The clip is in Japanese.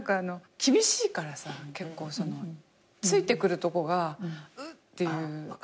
厳しいからさ結構突いてくるとこが「うっ」っていう。